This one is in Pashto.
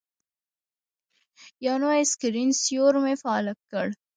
یو نوی سکرین سیور مې فعال کړ.